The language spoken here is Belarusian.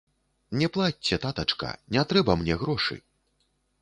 Не плачце, татачка, не трэба мне грошы!